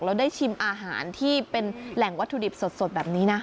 แล้วได้ชิมอาหารที่เป็นแหล่งวัตถุดิบสดแบบนี้นะ